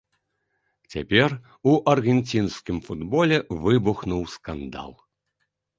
Цяпер у аргенцінскім футболе выбухнуў скандал.